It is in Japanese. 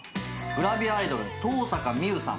グラビアアイドルの東坂みゆさん。